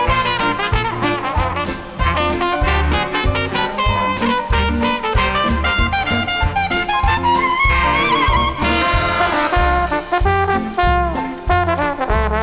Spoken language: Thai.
สวัสดีครับ